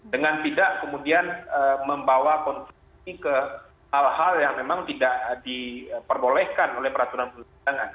dengan tidak kemudian membawa konflik ini ke hal hal yang memang tidak diperbolehkan oleh peraturan perundangan